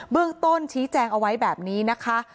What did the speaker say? เรื่องต้นชี้แจงเอาไว้แบบนี้นะคะ